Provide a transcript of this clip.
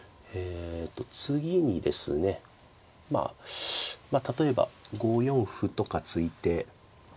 次にですねまあ例えば５四歩とか突いて。